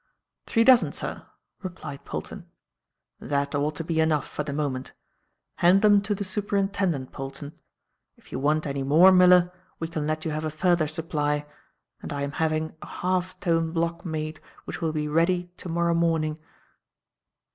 "Three dozen, sir," replied Polton. "That ought to be enough for the moment. Hand them to the Superintendent, Polton. If you want any more, Miller, we can let you have a further supply, and I am having a half tone block made which will be ready to morrow morning."